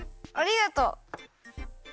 ありがとう！